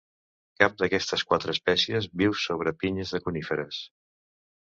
Cap d'aquestes quatre espècies viu sobre pinyes de coníferes.